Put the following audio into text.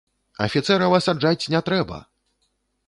Афіцэрава саджаць не трэба!